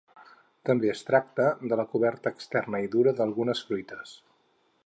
També es tracta de la coberta externa i dura d'algunes fruites.